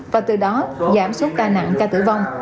và từ đó giảm số ca nặng ca tử vong